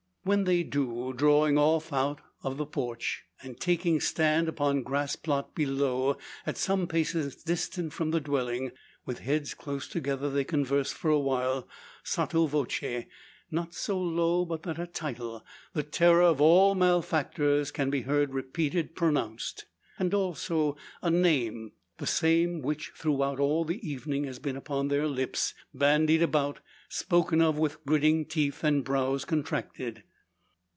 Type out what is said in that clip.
Which they do, drawing off out of the porch, and taking stand upon grass plot below at some paces distant from the dwelling. With heads close together, they converse for a while, sotto voce. Not so low, but that a title, the terror of all malefactors, can be heard repeatedly pronounced. And also a name; the same, which, throughout all the evening has been upon their lips, bandied about, spoken of with gritting teeth and brows contracted.